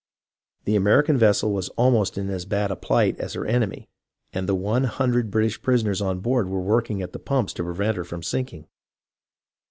The American vessel was almost in as bad a plight as her enemy, and the one hun dred British prisoners on board were working at the pumps to prevent her from sinking.